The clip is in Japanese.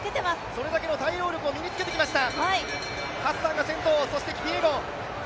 それだけの対応力を身につけてきました。